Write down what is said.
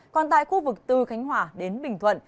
còn tại khu vực từ khánh hòa đến bình thuận